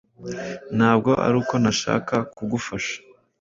Ntabwo ari uko ntashaka kugufasha.